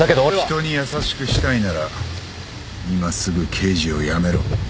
人に優しくしたいなら今すぐ刑事を辞めろ。